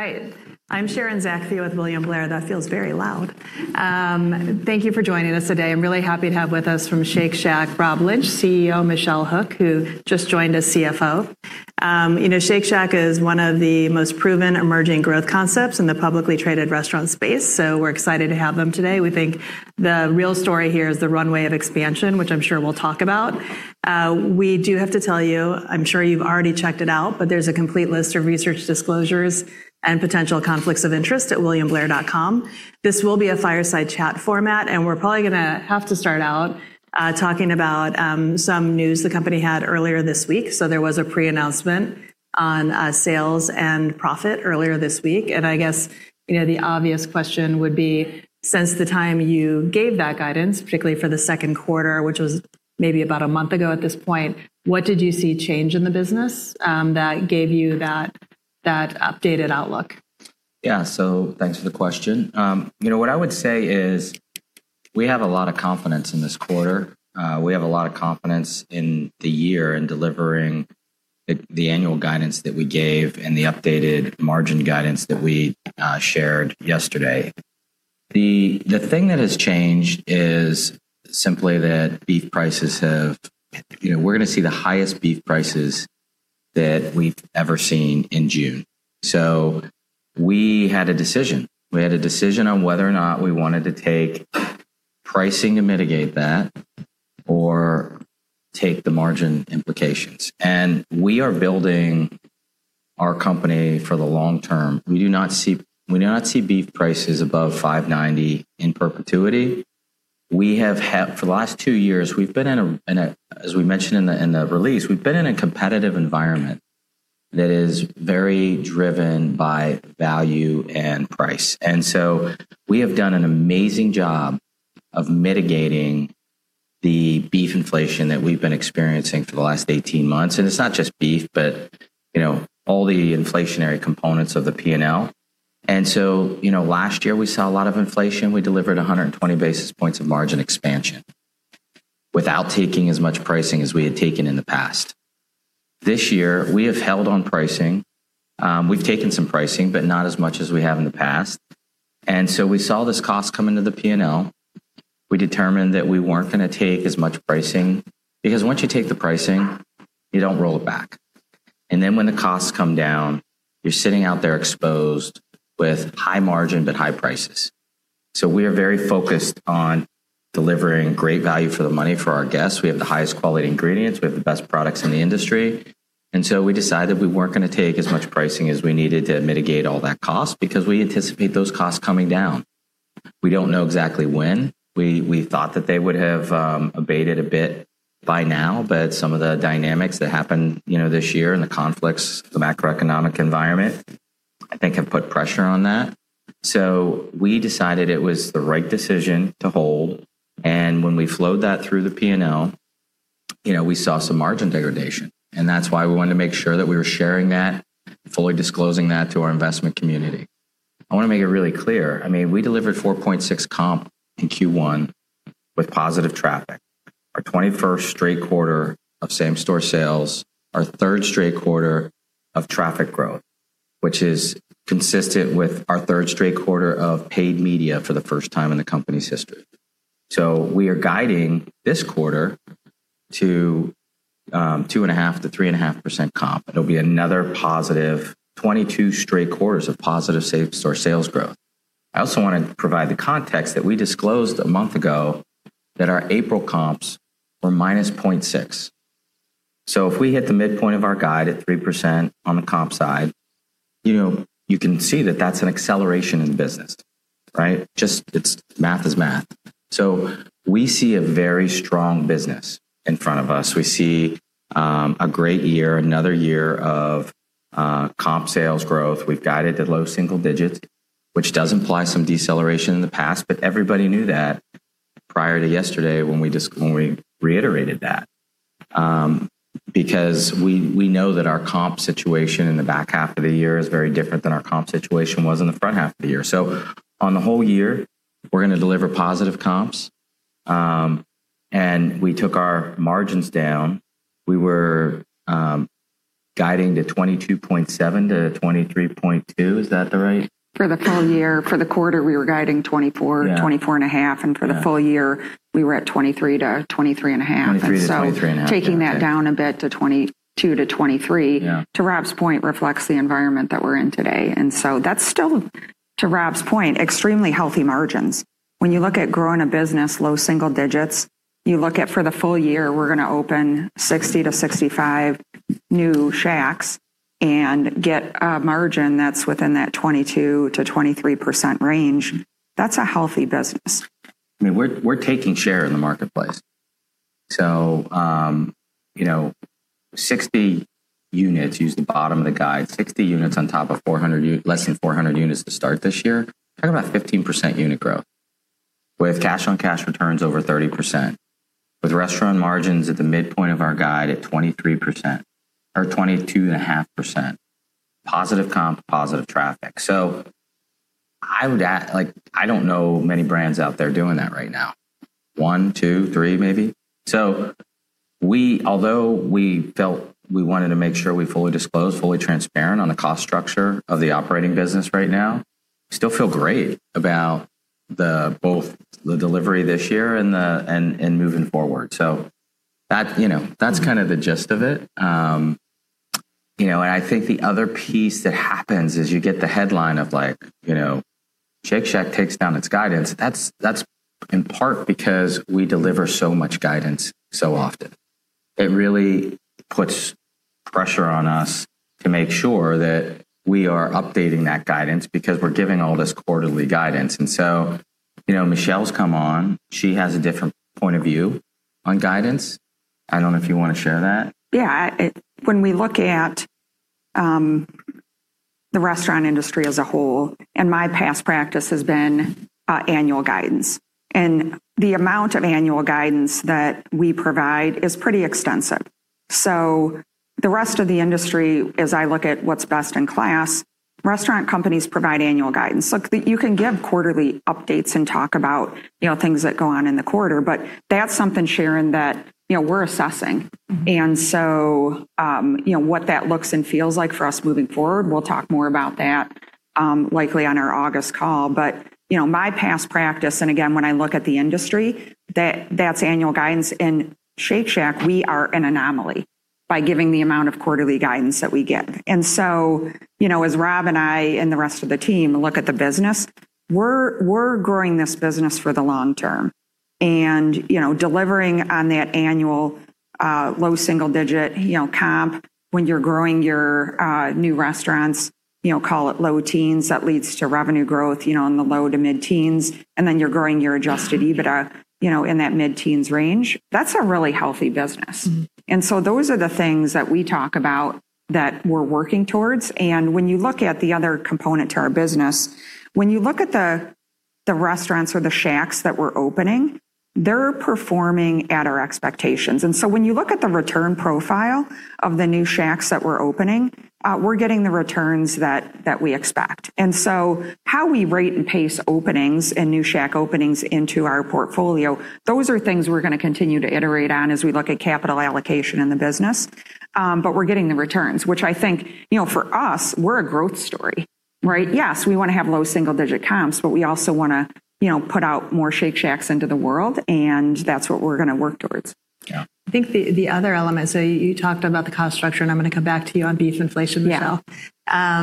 All right. I'm Sharon Zackfia with William Blair. That feels very loud. Thank you for joining us today. I'm really happy to have with us from Shake Shack, Rob Lynch, CEO, Michelle Hook, who just joined as CFO. Shake Shack is one of the most proven emerging growth concepts in the publicly traded restaurant space. We're excited to have them today. We think the real story here is the runway of expansion, which I'm sure we'll talk about. We do have to tell you, I'm sure you've already checked it out. There's a complete list of research disclosures and potential conflicts of interest at williamblair.com. This will be a fireside chat format. We're probably going to have to start out talking about some news the company had earlier this week. There was a pre-announcement on sales and profit earlier this week, and I guess the obvious question would be, since the time you gave that guidance, particularly for the second quarter, which was maybe about a month ago at this point, what did you see change in the business that gave you that updated outlook? Yeah. Thanks for the question. What I would say is we have a lot of confidence in this quarter. We have a lot of confidence in the year in delivering the annual guidance that we gave and the updated margin guidance that we shared yesterday. The thing that has changed is simply that we're going to see the highest beef prices that we've ever seen in June. We had a decision. We had a decision on whether or not we wanted to take pricing to mitigate that or take the margin implications. We are building our company for the long term. We do not see beef prices above $5.90 in perpetuity. For the last two years, as we mentioned in the release, we've been in a competitive environment that is very driven by value and price. We have done an amazing job of mitigating the beef inflation that we've been experiencing for the last 18 months. It's not just beef, but all the inflationary components of the P&L. Last year, we saw a lot of inflation. We delivered 120 basis points of margin expansion without taking as much pricing as we had taken in the past. This year, we have held on pricing. We've taken some pricing, but not as much as we have in the past. We saw this cost come into the P&L. We determined that we weren't going to take as much pricing, because once you take the pricing, you don't roll it back. When the costs come down, you're sitting out there exposed with high margin but high prices. We are very focused on delivering great value for the money for our guests. We have the highest quality ingredients. We have the best products in the industry. We decided we weren't going to take as much pricing as we needed to mitigate all that cost because we anticipate those costs coming down. We don't know exactly when. We thought that they would have abated a bit by now, but some of the dynamics that happened this year and the conflicts, the macroeconomic environment, I think have put pressure on that. We decided it was the right decision to hold, and when we flowed that through the P&L, we saw some margin degradation, and that's why we wanted to make sure that we were sharing that, fully disclosing that to our investment community. I want to make it really clear, we delivered 4.6% comp in Q1 with positive traffic. Our 21st straight quarter of same-store sales, our third straight quarter of traffic growth, which is consistent with our third straight quarter of paid media for the first time in the company's history. We are guiding this quarter to 2.5%-3.5% comp. It'll be another +22 straight quarters of positive same-store sales growth. I also want to provide the context that we disclosed a month ago that our April comps were -0.6%. If we hit the midpoint of our guide at 3% on the comp side, you can see that that's an acceleration in business, right? Just math is math. We see a very strong business in front of us. We see a great year, another year of comp sales growth. We've guided to low single digits, which does imply some deceleration in the past, everybody knew that prior to yesterday when we reiterated that because we know that our comp situation in the back half of the year is very different than our comp situation was in the front half of the year. On the whole year, we're going to deliver positive comps. We took our margins down. We were guiding to 22.7%-23.2%. For the full year. For the quarter, we were guiding 24. Yeah. 24.5. For the full year, we were at 23-23.5. 23-23 and a half. Okay. Taking that down a bit to 22 to 23. Yeah. To Rob's point, reflects the environment that we're in today. That's still, to Rob's point, extremely healthy margins. When you look at growing a business low single digits, you look at for the full year, we're going to open 60-65 new Shacks and get a margin that's within that 22%-23% range. That's a healthy business. We're taking share in the marketplace. 60 units, use the bottom of the guide, 60 units on top of less than 400 units to start this year. Talk about 15% unit growth with cash on cash returns over 30%, with restaurant margins at the midpoint of our guide at 23% or 22.5%, positive comp, positive traffic. I don't know many brands out there doing that right now. One, two, three, maybe. Although we felt we wanted to make sure we fully disclose, fully transparent on the cost structure of the operating business right now, still feel great about both the delivery this year and moving forward. That's the gist of it. I think the other piece that happens is you get the headline of like, Shake Shack takes down its guidance. That's in part because we deliver so much guidance so often. It really puts pressure on us to make sure that we are updating that guidance because we're giving all this quarterly guidance. Michelle's come on. She has a different point of view on guidance. I don't know if you want to share that. Yeah. When we look at the restaurant industry as a whole, and my past practice has been annual guidance. The amount of annual guidance that we provide is pretty extensive. The rest of the industry, as I look at what's best in class restaurant companies provide annual guidance. Look, you can give quarterly updates and talk about things that go on in the quarter, but that's something, Sharon, that we're assessing. What that looks and feels like for us moving forward, we'll talk more about that likely on our August call. My past practice, and again, when I look at the industry, that's annual guidance. In Shake Shack, we are an anomaly by giving the amount of quarterly guidance that we give. As Rob and I and the rest of the team look at the business, we're growing this business for the long term. Delivering on that annual low single-digit comp when you're growing your new restaurants, call it low teens, that leads to revenue growth in the low to mid-teens, then you're growing your adjusted EBITDA in that mid-teens range. That's a really healthy business. Those are the things that we talk about that we're working towards. When you look at the other component to our business, when you look at the restaurants or the Shacks that we're opening, they're performing at our expectations. When you look at the return profile of the new Shacks that we're opening, we're getting the returns that we expect. How we rate and pace openings and new Shack openings into our portfolio, those are things we're going to continue to iterate on as we look at capital allocation in the business. We're getting the returns, which I think, for us, we're a growth story, right? Yes, we want to have low single-digit comps, but we also want to put out more Shake Shacks into the world, and that's what we're going to work towards. Yeah. I think the other element, so you talked about the cost structure, and I'm going to come back to you on beef inflation, Michelle. Yeah.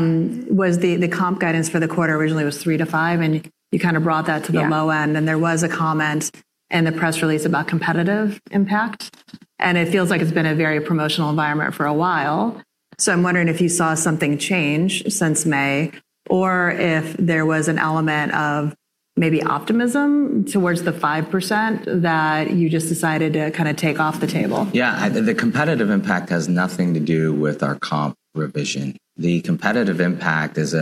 Was the comp guidance for the quarter originally was 3%-5%, and you brought that to the low end? Yeah. There was a comment in the press release about competitive impact. It feels like it's been a very promotional environment for a while. I'm wondering if you saw something change since May, or if there was an element of maybe optimism towards the 5% that you just decided to take off the table. Yeah. The competitive impact has nothing to do with our comp revision. The competitive impact is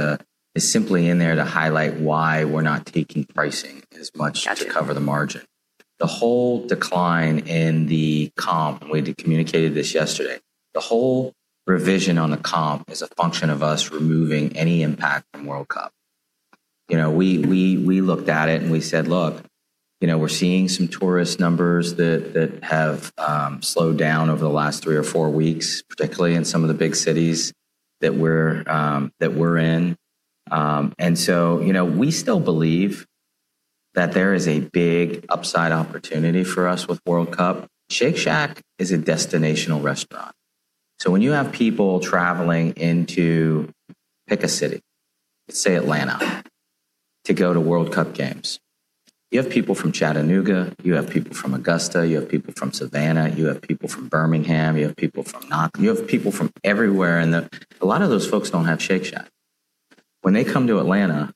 simply in there to highlight why we're not taking pricing as much- Got you. To cover the margin. The whole decline in the comp, we communicated this yesterday. The whole revision on the comp is a function of us removing any impact from World Cup. We looked at it, we said, look, we're seeing some tourist numbers that have slowed down over the last three or four weeks, particularly in some of the big cities that we're in. We still believe that there is a big upside opportunity for us with World Cup. Shake Shack is a destinational restaurant. When you have people traveling in to pick a city, say Atlanta, to go to World Cup games. You have people from Chattanooga, you have people from Augusta, you have people from Savannah, you have people from Birmingham, you have people from everywhere, and a lot of those folks don't have Shake Shack. When they come to Atlanta,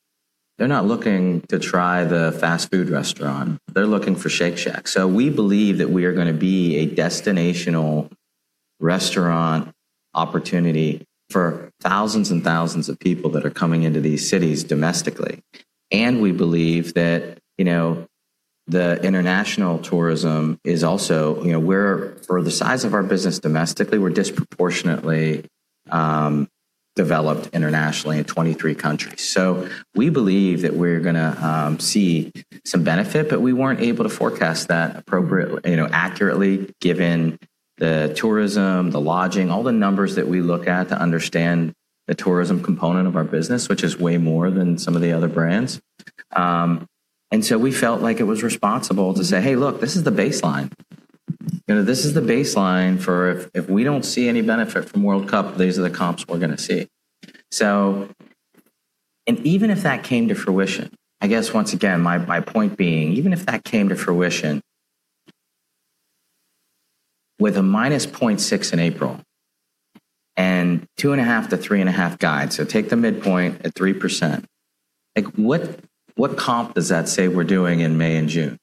they're not looking to try the fast food restaurant. They're looking for Shake Shack. We believe that we are going to be a destinational restaurant opportunity for thousands and thousands of people that are coming into these cities domestically. We believe that the international tourism. For the size of our business domestically, we're disproportionately developed internationally in 23 countries. We believe that we're going to see some benefit, but we weren't able to forecast that accurately given the tourism, the lodging, all the numbers that we look at to understand the tourism component of our business, which is way more than some of the other brands. We felt like it was responsible to say, "Hey, look, this is the baseline." This is the baseline for if we don't see any benefit from World Cup, these are the comps we're going to see. Even if that came to fruition, I guess once again, my point being, even if that came to fruition with a -0.6 in April and 2.5%-3.5% guide, so take the midpoint at 3%. What comp does that say we're doing in May and June?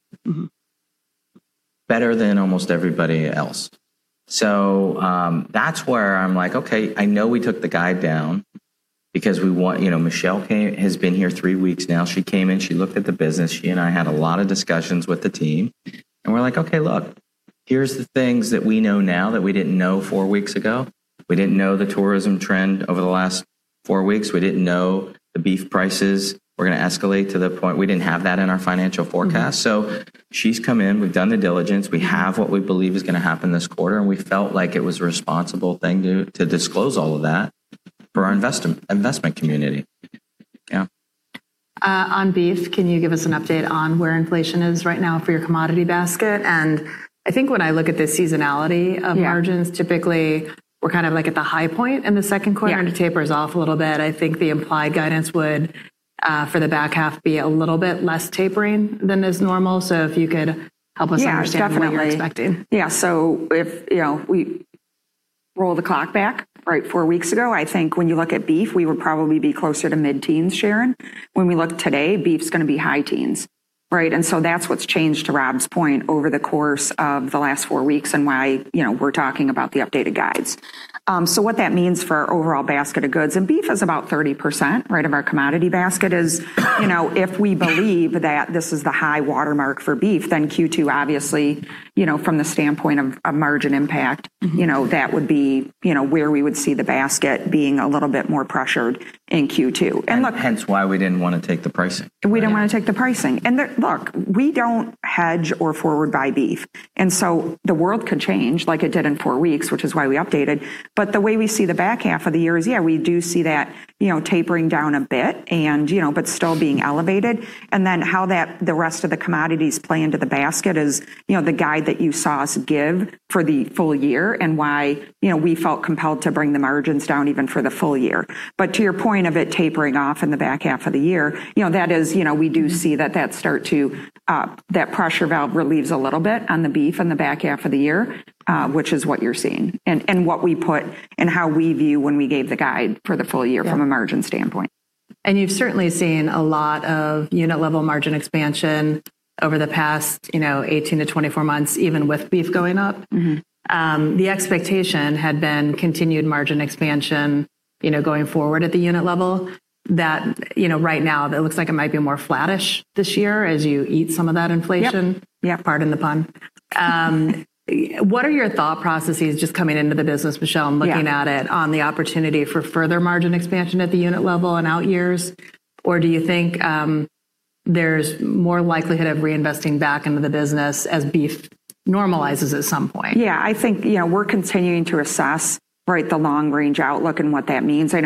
Better than almost everybody else. That's where I'm like, okay, I know we took the guide down because Michelle has been here three weeks now. She came in, she looked at the business. She and I had a lot of discussions with the team, and we're like, "Okay, look. Here's the things that we know now that we didn't know four weeks ago. We didn't know the tourism trend over the last four weeks. We didn't know the beef prices were going to escalate. We didn't have that in our financial forecast. She's come in, we've done the diligence, we have what we believe is going to happen this quarter, and we felt like it was a responsible thing to disclose all of that for our investment community. Yeah. On beef, can you give us an update on where inflation is right now for your commodity basket? I think when I look at the seasonality of margins. Yeah. Typically, we're kind of like at the high point in the second quarter. Yeah. It tapers off a little bit. I think the implied guidance would, for the back half, be a little bit less tapering than is normal. If you could help us understand. Yeah. Definitely. What you're expecting. Yeah. If we roll the clock back right, four weeks ago, I think when you look at beef, we would probably be closer to mid-teens, Sharon. When we look today, beef's going to be high teens. Right. That's what's changed, to Rob's point, over the course of the last four weeks and why we're talking about the updated guides. What that means for our overall basket of goods, and beef is about 30%, right, of our commodity basket, is if we believe that this is the high watermark for beef, then Q2, obviously, from the standpoint of margin impact. That would be where we would see the basket being a little bit more pressured in Q2. Hence why we didn't want to take the pricing. Right. We didn't want to take the pricing. Look, we don't hedge or forward buy beef. The world could change like it did in four weeks, which is why we updated. The way we see the back half of the year is, yeah, we do see that tapering down a bit and, but still being elevated. How the rest of the commodities play into the basket is the guide that you saw us give for the full year and why we felt compelled to bring the margins down even for the full year. To your point of it tapering off in the back half of the year, we do see that pressure valve relieves a little bit on the beef in the back half of the year, which is what you're seeing and what we put and how we view when we gave the guide for the full year. Yeah. From a margin standpoint. You've certainly seen a lot of unit-level margin expansion over the past 18-24 months, even with beef going up. The expectation had been continued margin expansion going forward at the unit level that right now, it looks like it might be more flattish this year as you eat some of that inflation. Yep. Yeah. Pardon the pun. What are your thought processes just coming into the business, Michelle? Yeah. Looking at it on the opportunity for further margin expansion at the unit level and out years? Do you think there's more likelihood of reinvesting back into the business as beef normalizes at some point? Yeah, I think we're continuing to assess, right, the long-range outlook and what that means. Range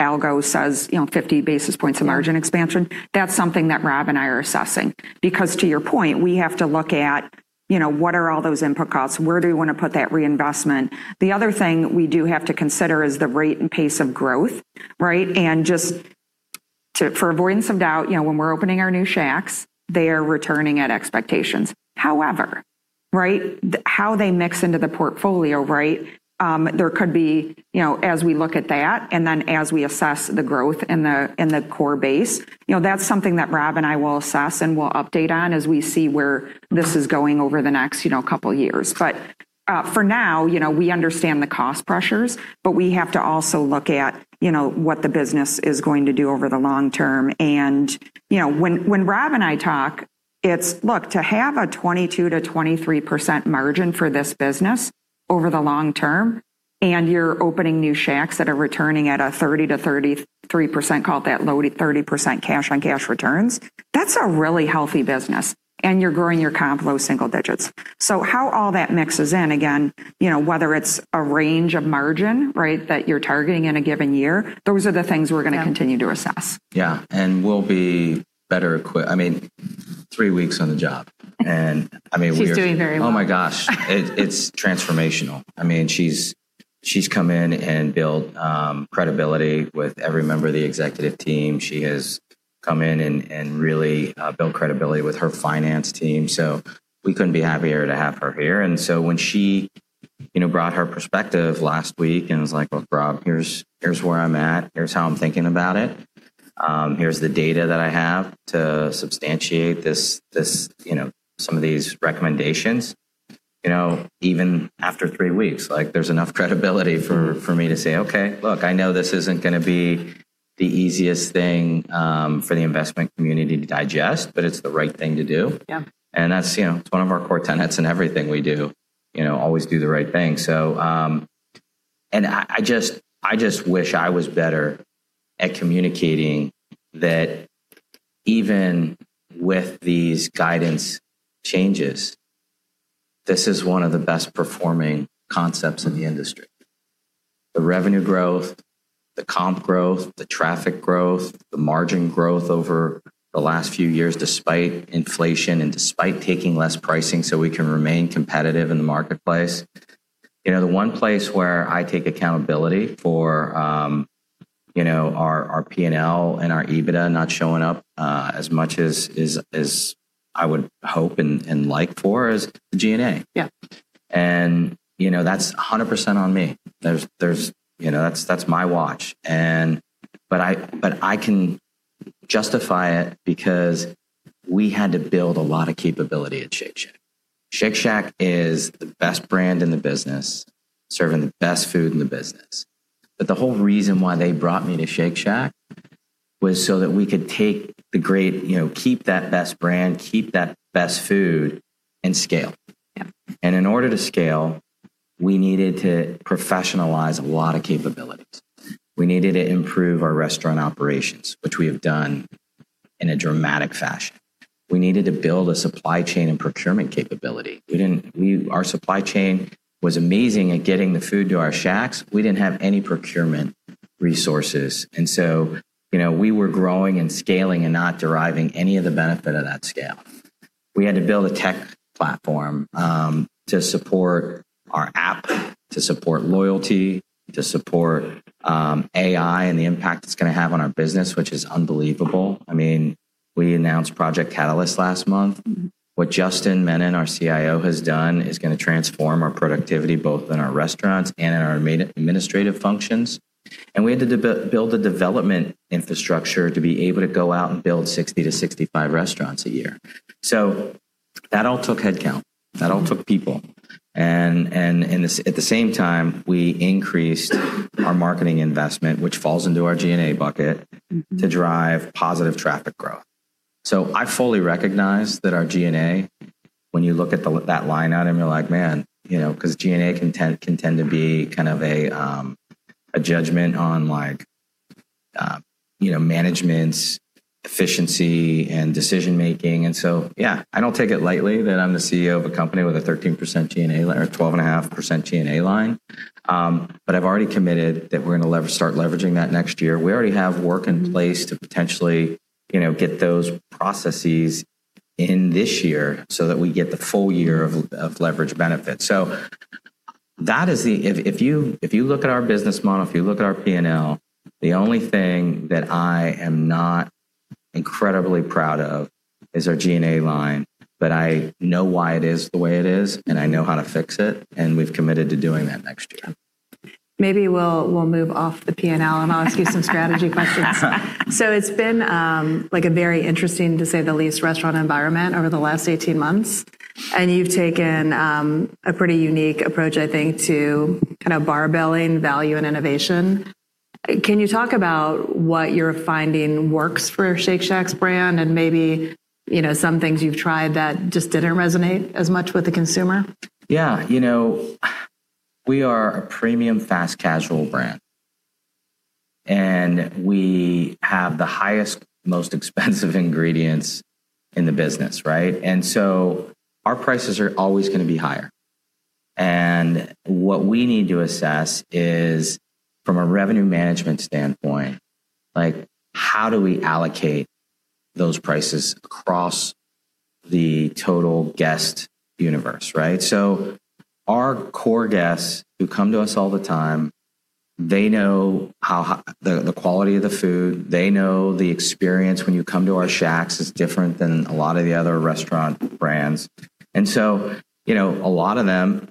algo says 50 basis points of margin expansion. That's something that Rob and I are assessing. To your point, we have to look at what are all those input costs, where do we want to put that reinvestment. The other thing we do have to consider is the rate and pace of growth, right? Just for avoidance of doubt, when we're opening our new Shacks, they are returning at expectations. However, right, how they mix into the portfolio, right, there could be, as we look at that, and then as we assess the growth in the core base, that's something that Rob and I will assess and will update on as we see where this is going over the next couple of years. For now, we understand the cost pressures, we have to also look at what the business is going to do over the long term. When Rob and I talk, it's, look, to have a 22%-23% margin for this business over the long term, and you're opening new Shacks that are returning at a 30%-33%, call it that low 30% cash-on-cash returns, that's a really healthy business, and you're growing your comp low single digits. How all that mixes in, again, whether it's a range of margin, right, that you're targeting in a given year, those are the things we're going to continue to assess. Yeah. We'll be better equipped. I mean, three weeks on the job. She's doing very well. Oh my gosh. It's transformational. She's come in and built credibility with every member of the executive team. She has come in and really built credibility with her finance team. We couldn't be happier to have her here. When she brought her perspective last week and was like, "Look, Rob, here's where I'm at, here's how I'm thinking about it. Here's the data that I have to substantiate some of these recommendations." Even after three weeks, there's enough credibility for me to say, "Okay, look, I know this isn't going to be the easiest thing for the investment community to digest, but it's the right thing to do. Yeah. That's one of our core tenets in everything we do. Always do the right thing. I just wish I was better at communicating that even with these guidance changes, this is one of the best performing concepts in the industry. The revenue growth, the comp growth, the traffic growth, the margin growth over the last few years, despite inflation and despite taking less pricing so we can remain competitive in the marketplace. The one place where I take accountability for our P&L and our EBITDA not showing up as much as I would hope and like for is the G&A. Yeah. That's 100% on me. That's my watch. I can justify it because we had to build a lot of capability at Shake Shack. Shake Shack is the best brand in the business, serving the best food in the business. The whole reason why they brought me to Shake Shack Was so that we could keep that best brand, keep that best food, and scale. Yeah. In order to scale, we needed to professionalize a lot of capabilities. We needed to improve our restaurant operations, which we have done in a dramatic fashion. We needed to build a supply chain and procurement capability. Our supply chain was amazing at getting the food to our Shacks. We didn't have any procurement resources, and so we were growing and scaling and not deriving any of the benefit of that scale. We had to build a tech platform to support our app, to support loyalty, to support AI, and the impact it's going to have on our business, which is unbelievable. We announced Project Catalyst last month. What Justin Mennen, our CIO, has done is going to transform our productivity, both in our restaurants and in our administrative functions. We had to build a development infrastructure to be able to go out and build 60-65 restaurants a year. That all took headcount. That all took people. At the same time, we increased our marketing investment, which falls into our G&A bucket. I fully recognize that our G&A, when you look at that line item, you're like, "Man," because G&A can tend to be kind of a judgment on management efficiency and decision making. Yeah, I don't take it lightly that I'm the CEO of a company with a 13% G&A line or 12.5% G&A line. I've already committed that we're going to start leveraging that next year. We already have work in place. To potentially get those processes in this year so that we get the full year of leverage benefit. If you look at our business model, if you look at our P&L, the only thing that I am not incredibly proud of is our G&A line, but I know why it is the way it is, and I know how to fix it, and we've committed to doing that next year. Maybe we'll move off the P&L, and I'll ask you some strategy questions. It's been a very interesting, to say the least, restaurant environment over the last 18 months, and you've taken a pretty unique approach, I think, to kind of bar-belling value and innovation. Can you talk about what you're finding works for Shake Shack's brand and maybe some things you've tried that just didn't resonate as much with the consumer? Yeah. We are a premium fast-casual brand, and we have the highest, most expensive ingredients in the business, right? Our prices are always going to be higher. What we need to assess is, from a revenue management standpoint, how do we allocate those prices across the total guest universe, right? Our core guests who come to us all the time, they know the quality of the food. They know the experience when you come to our Shacks is different than a lot of the other restaurant brands. A lot of them,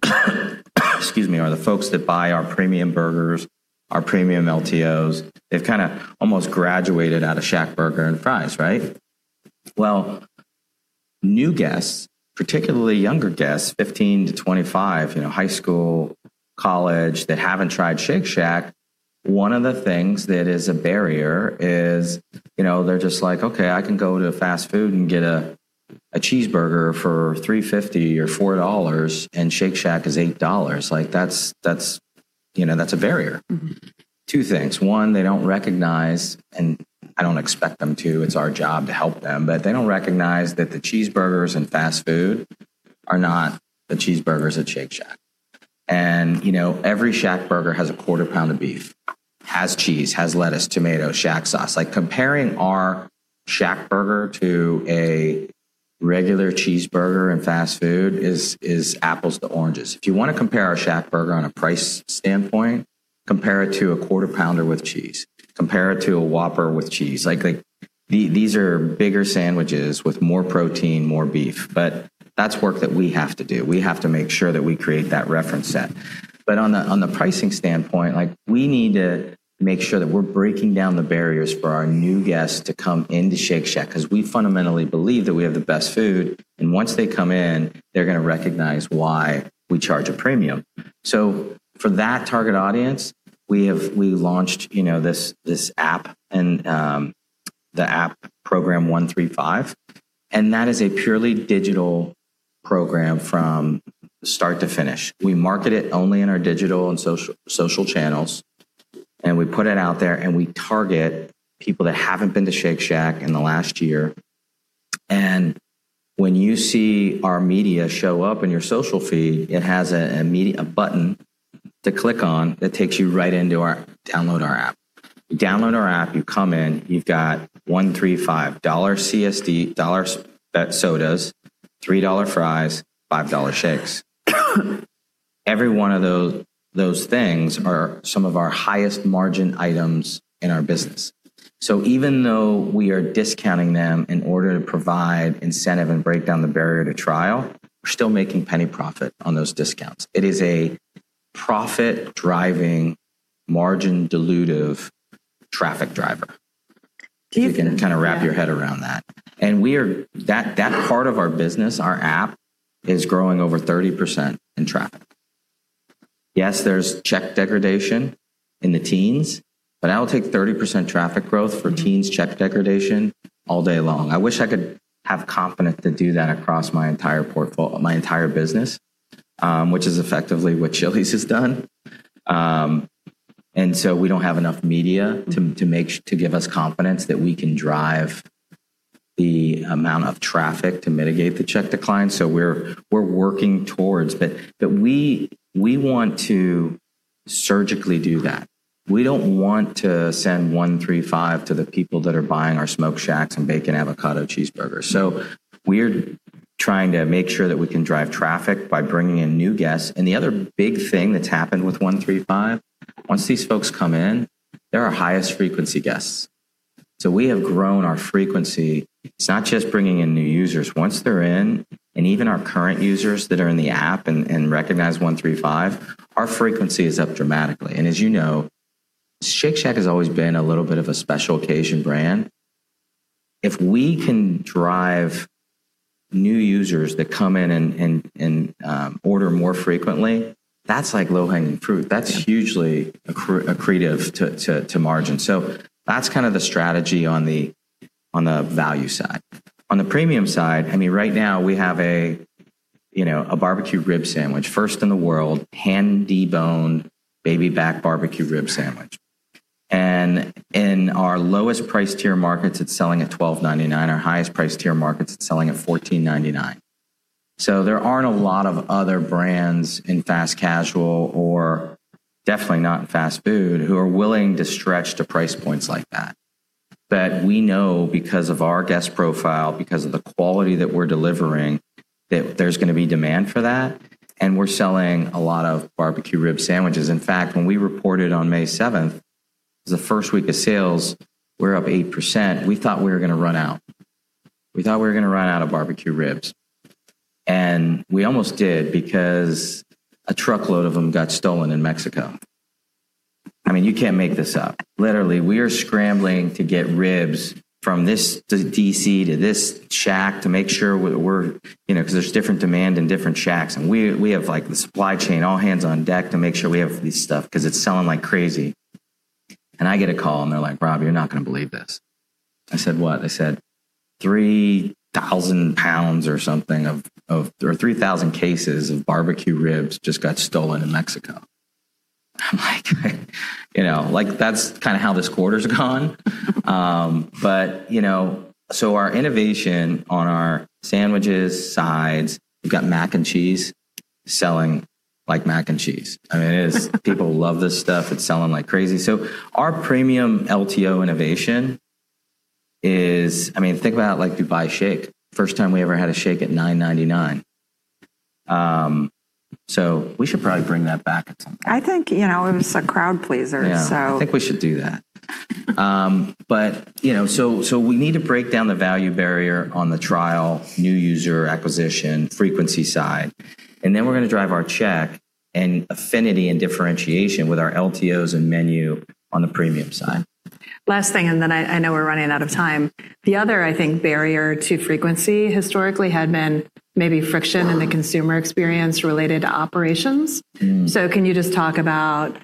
excuse me, are the folks that buy our premium burgers, our premium LTOs. They've kind of almost graduated out of ShackBurger and fries, right? New guests, particularly younger guests, 15-25, high school, college, that haven't tried Shake Shack, one of the things that is a barrier is they're just like, "Okay, I can go to fast food and get a cheeseburger for $3.50 or $4, and Shake Shack is $8." That's a barrier. Two things. One, they don't recognize, and I don't expect them to. It's our job to help them. They don't recognize that the cheeseburgers in fast food are not the cheeseburgers at Shake Shack. Every ShackBurger has a quarter pound of beef, has cheese, has lettuce, tomato, ShackSauce. Comparing our ShackBurger to a regular cheeseburger in fast food is apples to oranges. If you want to compare our ShackBurger on a price standpoint, compare it to a Quarter Pounder with cheese. Compare it to a Whopper with cheese. These are bigger sandwiches with more protein, more beef. That's work that we have to do. We have to make sure that we create that reference set. On the pricing standpoint, we need to make sure that we're breaking down the barriers for our new guests to come into Shake Shack because we fundamentally believe that we have the best food. Once they come in, they're going to recognize why we charge a premium. For that target audience, we launched this app and the app program 135, that is a purely digital program from start to finish. We market it only in our digital and social channels, we put it out there, we target people that haven't been to Shake Shack in the last year. When you see our media show up in your social feed, it has a button to click on that takes you right into our Download Our App. You download our app, you come in, you've got $1.35 CSD, $1 sodas, $3 fries, $5 shakes. Every one of those things are some of our highest margin items in our business. Even though we are discounting them in order to provide incentive and break down the barrier to trial, we're still making penny profit on those discounts. It is a profit-driving, margin-dilutive traffic driver. Do you. If you can kind of wrap your head around that. That part of our business, our app, is growing over 30% in traffic. Yes, there's check degradation in the teens, but I will take 30% traffic growth for teens check degradation all day long. I wish I could have confidence to do that across my entire business, which is effectively what Chili's has done. We don't have enough media to give us confidence that we can drive the amount of traffic to mitigate the check decline. We're working towards, but we want to surgically do that. We don't want to send 135 to the people that are buying our SmokeShacks and bacon avocado cheeseburgers. We're trying to make sure that we can drive traffic by bringing in new guests. The other big thing that's happened with 135, once these folks come in, they're our highest frequency guests. We have grown our frequency. It's not just bringing in new users. Once they're in, and even our current users that are in the app and recognize 135, our frequency is up dramatically. As you know, Shake Shack has always been a little bit of a special occasion brand. If we can drive new users that come in and order more frequently, that's like low-hanging fruit. That's hugely accretive to margin. That's the strategy on the value side. On the premium side, right now we have a Barbecue Rib Sandwich, first in the world hand de-boned baby back Barbecue Rib Sandwich. In our lowest price tier markets, it's selling at $12.99. Our highest price tier markets, it's selling at $14.99. There aren't a lot of other brands in fast casual, or definitely not in fast food, who are willing to stretch to price points like that. We know because of our guest profile, because of the quality that we're delivering, that there's going to be demand for that, and we're selling a lot of barbecue rib sandwiches. In fact, when we reported on May 7th, it was the first week of sales. We were up 8%. We thought we were going to run out. We thought we were going to run out of barbecue ribs. We almost did because a truckload of them got stolen in Mexico. You can't make this up. Literally, we are scrambling to get ribs from D.C. to this shack to make sure we're Because there's different demand in different shacks, and we have the supply chain all hands on deck to make sure we have this stuff because it's selling like crazy. I get a call, and they're like, "Rob, you're not going to believe this." I said, "What?" They said, "3,000 pounds or something, or 3,000 cases of barbecue ribs just got stolen in Mexico." I'm like, "That's kind of how this quarter's gone." Our innovation on our sandwiches, sides. We've got Mac & Cheese selling like Mac & Cheese. People love this stuff. It's selling like crazy. Our premium LTO innovation is, think about Dubai shake. First time we ever had a shake at $9.99. We should probably bring that back at some point. I think it was a crowd pleaser. Yeah. So. I think we should do that. We need to break down the value barrier on the trial, new user acquisition, frequency side, and then we're going to drive our check and affinity and differentiation with our LTOs and menu on the premium side. Last thing, and then I know we're running out of time. The other, I think, barrier to frequency historically had been maybe friction in the consumer experience related to operations. Can you just talk about,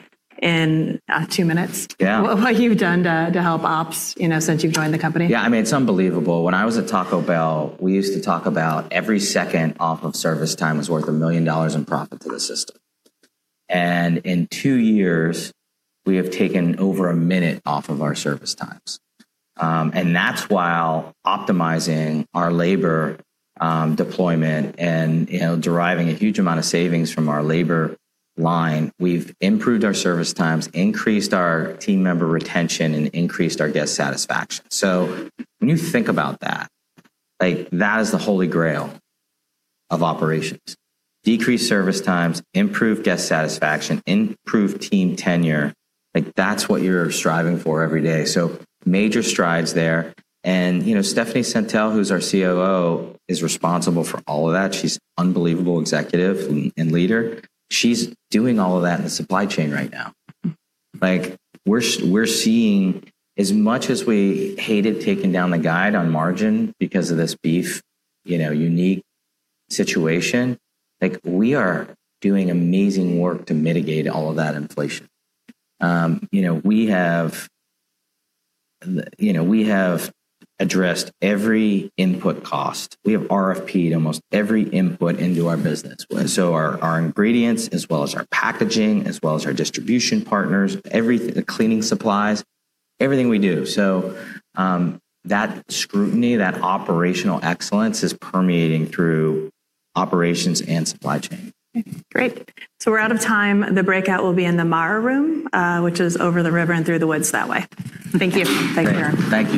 in two minutes? Yeah. What you've done to help ops since you've joined the company? Yeah. It's unbelievable. When I was at Taco Bell, we used to talk about every second off of service time was worth $1 million in profit to the system. In two years, we have taken over a minute off of our service times. That's while optimizing our labor deployment and deriving a huge amount of savings from our labor line. We've improved our service times, increased our team member retention, and increased our guest satisfaction. When you think about that is the holy grail of operations. Decreased service times, improved guest satisfaction, improved team tenure. That's what you're striving for every day. Major strides there. Stephanie Sentell, who's our COO, is responsible for all of that. She's unbelievable executive and leader. She's doing all of that in the supply chain right now. As much as we hated taking down the guide on margin because of this beef, unique situation, we are doing amazing work to mitigate all of that inflation. We have addressed every input cost. We have RFP'd almost every input into our business. Wow. Our ingredients as well as our packaging, as well as our distribution partners, the cleaning supplies, everything we do. That scrutiny, that operational excellence is permeating through operations and supply chain. Great. We're out of time. The breakout will be in the Mara Room, which is over the river and through the woods that way. Thank you. Thank you. Great. Thank you.